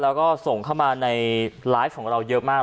แล้วก็ส่งเข้ามาในไลฟ์ของเราเยอะมาก